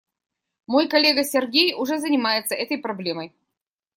Мой коллега Сергей уже занимается этой проблемой.